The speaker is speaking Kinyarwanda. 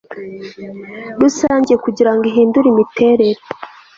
rusange kugira ngo ihindure imiterere